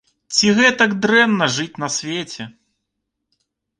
Ці гэтак дрэнна жыць на свеце?